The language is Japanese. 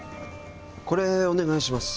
これお願いします。